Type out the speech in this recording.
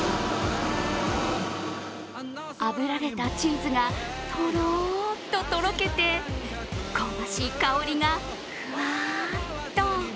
あぶられたチーズがとろっととろけて香ばしい香りがふわっと。